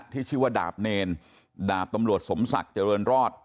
ที่ชื่อว่าดาบเนรดาบตำรวจสมศักดิ์เจริญรอด